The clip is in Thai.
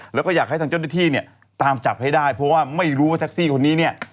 แล้วก็อยากให้ทางเจ้าหน้าที่เนี่ยตามจับให้ได้เพราะว่าไม่รู้ว่าแท็กซี่คนนี้เนี่ย